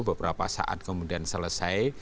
beberapa saat kemudian selesai